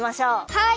はい！